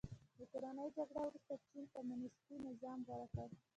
د کورنۍ جګړې وروسته چین کمونیستي نظام غوره کړ.